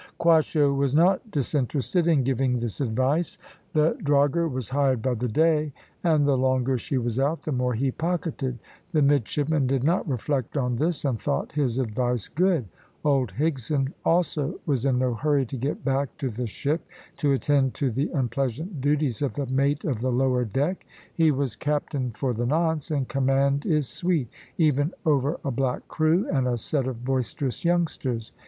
Quasho was not disinterested in giving this advice. The drogher was hired by the day, and the longer she was out the more he pocketed. The midshipmen did not reflect on this, and thought his advice good. Old Higson also was in no hurry to get back to the ship to attend to the unpleasant duties of the mate of the lower deck. He was captain for the nonce, and command is sweet, even over a black crew and a set of boisterous youngsters.